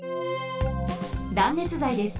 断熱材です。